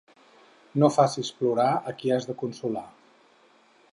No facis plorar a qui has de consolar.